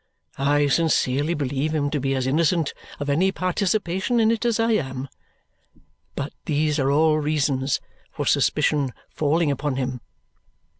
I sincerely believe him to be as innocent of any participation in it as I am, but these are all reasons for suspicion falling upon him."